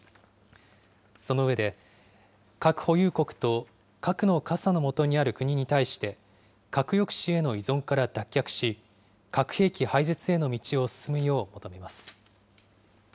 その上で、核保有国と核の傘のもとにある国に対して、核抑止への依存から脱却し、核兵器廃絶への道を進むよう求めます。